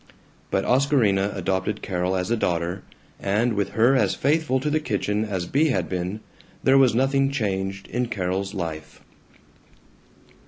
But Oscarina adopted Carol as a daughter, and with her as faithful to the kitchen as Bea had been, there was nothing changed in Carol's life.